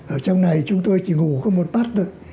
ở trong này chúng tôi chỉ ngủ có một bắt thôi